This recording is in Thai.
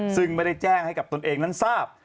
ซึ่งไม่ได้แจ้งให้กับตนเองนั้นทราบ